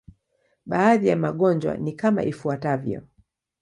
Baadhi ya magonjwa ni kama ifuatavyo.